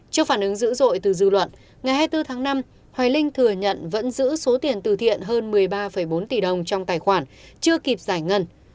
trước phản ứng dữ dội từ dư luận ngày hai mươi bốn tháng năm hoài linh thừa nhận vẫn giữ số tiền từ thiện hơn một mươi ba bốn tỷ đồng trong tài khoản chưa kịp giải ngân